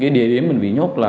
địa điểm mình bị nhốt